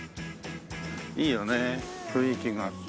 いいよね雰囲気があって。